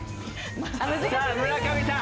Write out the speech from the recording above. さあ村上さん。